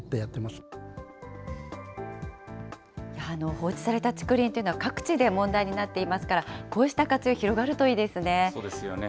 放置された竹林というのは、各地で問題になっていますから、こうした活用、広がるといいですそうですよね。